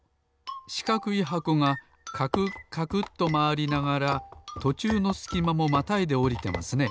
しかくい箱がカクカクとまわりながらとちゅうのすきまもまたいでおりてますね。